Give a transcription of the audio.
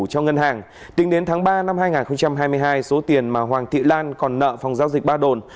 cho ngân hàng tính đến tháng ba năm hai nghìn hai mươi hai số tiền mà hoàng thị lan còn nợ phòng giao dịch ba đồn